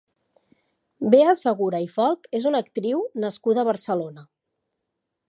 Bea Segura i Folch és una actriu nascuda a Barcelona.